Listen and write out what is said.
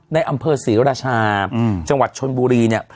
ในอำเภอศรีราชาจังหวัดชนบุรีเนี่ย